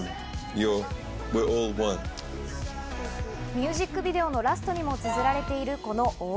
ミュージックビデオのラストにもつづられている、このＡＬＬＯＮＥ。